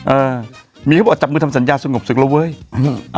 เออมีเขาบอกจับมือทำสัญญาสงบศึกแล้วเว้ยอืม